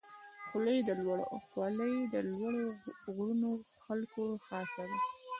خولۍ د لوړو غرونو خلکو خاصه ده.